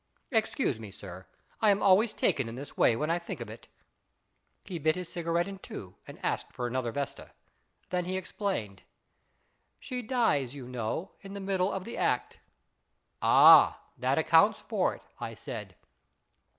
Excuse me, sir. I am always taken in this way when I think of it/' He bit his cigarette in two and asked for another vesta. Then he explained. " She dies, you know, in the middle of the act." " Ah, that accounts for it," I said.